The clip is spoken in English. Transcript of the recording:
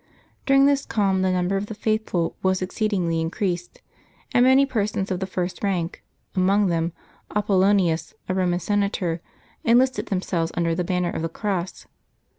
During this calm the number of the faithful was exceedingly in creased, and many persons of the first rank, among them Apollonius, a Eoman senator, enlisted themselves under the banner of the cross.